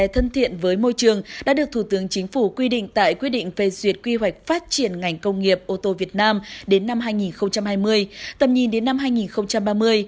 thân thiện với môi trường đã được thủ tướng chính phủ quy định tại quy định về duyệt quy hoạch phát triển ngành công nghiệp ô tô việt nam đến năm hai nghìn hai mươi tầm nhìn đến năm hai nghìn ba mươi